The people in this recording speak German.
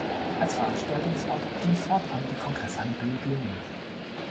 Als Veranstaltungsort dient fortan die Kongresshalle Böblingen.